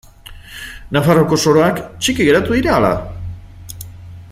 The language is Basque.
Nafarroako soroak txiki geratu dira ala?